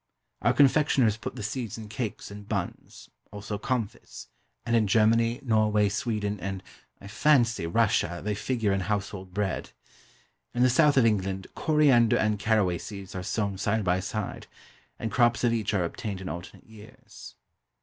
Our confectioners put the seeds in cakes and buns, also comfits, and in Germany, Norway, Sweden, and (I fancy) Russia, they figure in household bread. In the south of England, coriander and caraway seeds are sown side by side, and crops of each are obtained in alternate years.